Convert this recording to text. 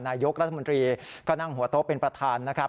นายกรัฐมนตรีก็นั่งหัวโต๊ะเป็นประธานนะครับ